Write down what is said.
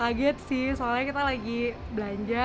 kaget sih soalnya kita lagi belanja